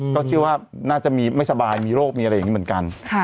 ก็เชื่อว่าน่าจะมีไม่สบายมีโรคมีอะไรอย่างนี้เหมือนกัน